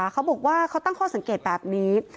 เขาบอกว่าเขาตั้งข้อสังเกตแบบนี้